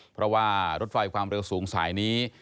เพราะว่ารถไฟความเร็วสูงสายนี้